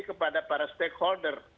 kepada para stakeholder